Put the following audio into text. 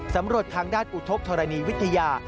สำหรับทางด้านอุทธกธรณีวิทยา